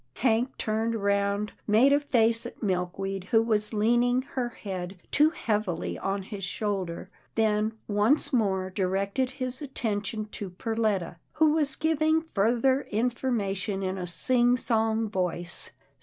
Hank turned round, made a face at Milkweed who was leaning her head too heavily on his shoul der, then once more directed his attention to Per letta, who was giving further information in a sing song voice.